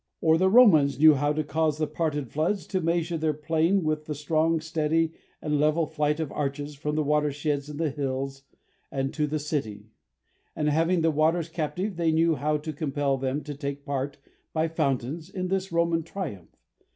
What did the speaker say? Or the Romans knew how to cause the parted floods to measure their plain with the strong, steady, and level flight of arches from the watersheds in the hills to the and city; and having the waters captive, they knew how to compel them to take part, by fountains, in this Roman triumph.